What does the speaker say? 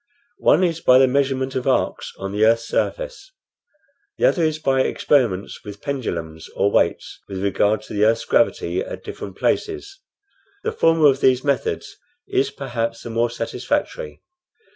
One is by the measurement of arcs on the earth's surface; the other is by experiments with pendulums or weights with regard to the earth's gravity at different places. The former of these methods is, perhaps, the more satisfactory.